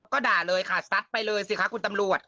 ก็ด่าเลยค่ะซัดไปเลยสิคะคุณตำรวจ